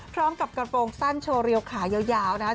พร้อมกับกระโปรงสั้นโชว์เรียวขายาวนะครับ